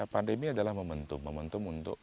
pandemi adalah momentum momentum untuk